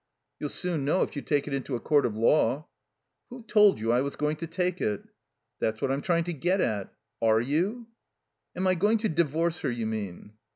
"You'll soon know if you take it into a court of law." "Who told you I was going to take it?" "That's what I'm trs^ng to get at. Are you?" "Am I going to divorce her, you mean?"